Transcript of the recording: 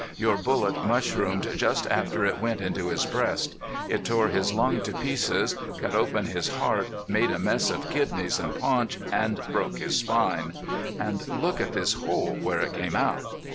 "Your bullet mushroomed just after it went into his breast. It tore his lung to pieces, cut open his heart, made a mess of kidneys an' paunch, an' broke his spine.... An' look at this hole where it came out!"